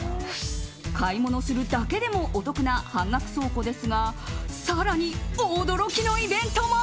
買い物するだけでもお得な半額倉庫ですが更に、驚きのイベントも。